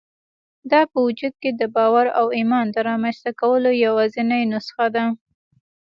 دا په وجود کې د باور او ايمان د رامنځته کولو يوازېنۍ نسخه ده.